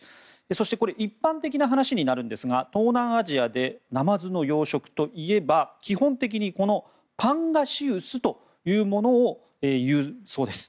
そして一般的な話になるんですが東南アジアでナマズの養殖といえば基本的にこのパンガシウスというものを言うそうです。